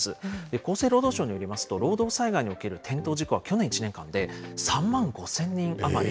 厚生労働省によりますと、労働災害における転倒事故は去年１年間で３万５０００人余り。